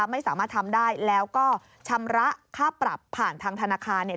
ไม่สามารถทำได้แล้วก็ชำระค่าปรับผ่านทางธนาคารเนี่ย